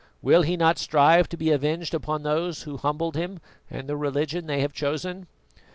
Will he not strive to be avenged upon those who humbled him and the religion they have chosen?"